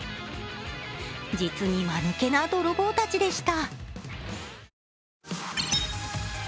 実に間抜けて泥棒たちでした。